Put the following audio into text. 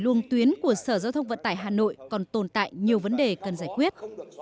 luồng tuyến của sở giao thông vận tải hà nội còn tồn tại nhiều vấn đề cần giải quyết